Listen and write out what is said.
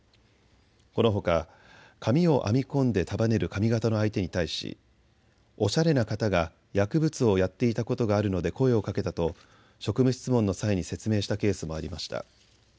このほか、髪を編み込んで束ねる髪型の相手に対しおしゃれな方が薬物をやっていたことがあるので声をかけたと職務質問の際に説明したケースもありました。